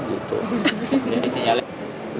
dan diturunkan kepada wartawan